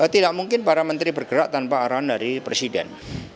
tidak mungkin para menteri bergerak tanpa arahan dari presiden